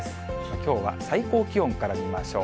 きょうは最高気温から見ましょう。